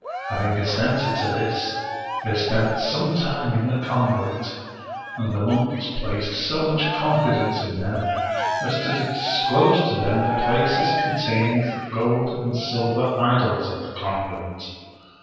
Having assented to this, they spent some time in the convent; and the monks placed so much confidence in them as to disclose to them the places containing the gold and silver idols of the con vent.